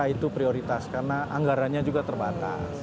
itu prioritas karena anggarannya juga terbatas